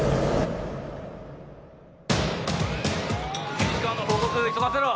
検視官の報告急がせろ！